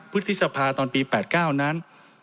วุฒิศภาคมตอนปี๘๙นั้น